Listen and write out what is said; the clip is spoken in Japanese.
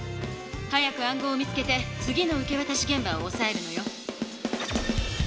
早く暗号を見つけて次の受けわたしげん場をおさえるのよ。